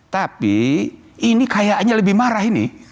tapi ini kayaknya lebih marah ini